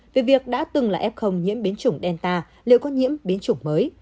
vì việc đã từng là f nhiễm biến chủng delta liệu có nhiễm biến chủng mới